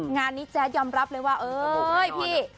งานนี้แจ๊ดยอมรับเลยว่าเออพี่